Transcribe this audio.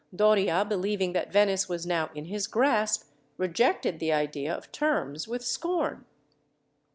Doria, believing that Venice was now in his grasp, rejected the idea of terms with scorn.